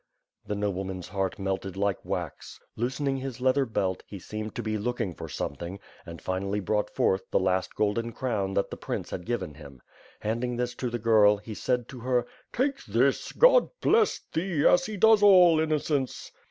The nobleman's heart melted like wax. Loosening his leather belt, he seemed to be looking for something, and finally brought forth the last golden crown that he prince had given him. Handing this to the girl, he said to her: "Take this! God bless thee, as he does all innocence!"